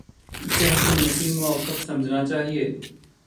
اسے حکومتی موقف سمجھنا چاہیے۔